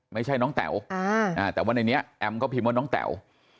ไม่ใช่น้องแต๋วอ่าแต่ว่านี้เองแอมม่าก็พิมพ์ว่าน้องแต๋ว